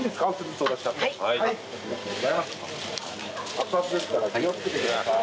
熱々ですから気を付けてください。